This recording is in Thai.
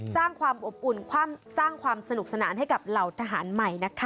สร้างความอบอุ่นสร้างความสนุกสนานให้กับเหล่าทหารใหม่นะคะ